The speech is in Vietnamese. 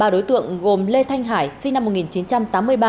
ba đối tượng gồm lê thanh hải sinh năm một nghìn chín trăm tám mươi ba